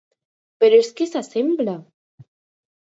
Però és que s'assembla!